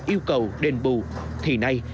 yêu cầu đền bù thì nay